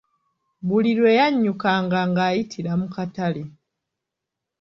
Buli lwe yannyukanga nga ayitira mu katale.